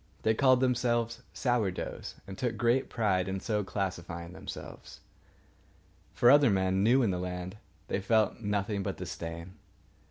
They called themselves Sour doughs, and took great pride in so classifying themselves. For other men, new in the land, they felt nothing but disdain.